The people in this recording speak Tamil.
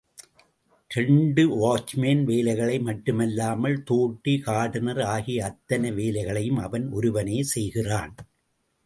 இரண்டு வாட்ச்மேன் வேலைகளை மட்டுமில்லாமல், தோட்டி கார்டனர் ஆகிய அத்தனை வேலைகளையும் அவன் ஒருவனே செய்கிறான்.